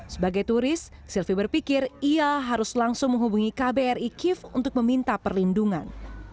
sebagai turis sylvi berpikir ia harus langsung menghubungi kbri kiev untuk meminta perlindungan